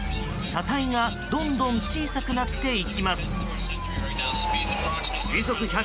車体がどんどん小さくなっていきます。